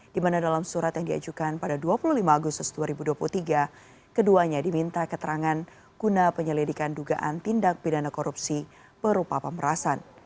di mana dalam surat yang diajukan pada dua puluh lima agustus dua ribu dua puluh tiga keduanya diminta keterangan guna penyelidikan dugaan tindak pidana korupsi berupa pemerasan